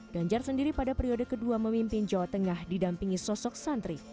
ganjar sendiri pada periode kedua memimpin jawa tengah didampingi sosok santri